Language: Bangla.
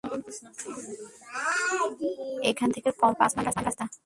এখান থেকে কমপক্ষে পাঁচ মাইলের রাস্তা!